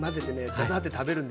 ザザッて食べるんですよ。